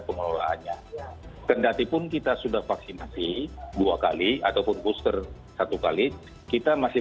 pengelolaannya kendatipun kita sudah vaksinasi dua kali ataupun booster satu kali kita masih